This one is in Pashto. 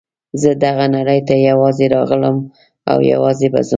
زه دغه نړۍ ته یوازې راغلم او یوازې به ځم.